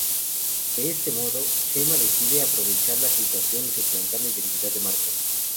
De este modo, Chema decide aprovechar la situación y suplantar la identidad Marcos.